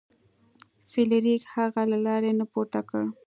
فلیریک هغه له لارې نه پورته کړ.